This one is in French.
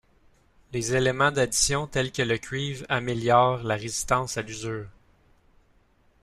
Les éléments d’addition tels que le cuivre améliorent la résistance à l’usure.